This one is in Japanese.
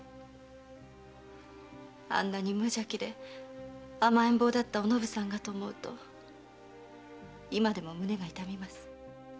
あんなに無邪気で甘えん坊だったおのぶさんがと思うと今でも胸が痛みます。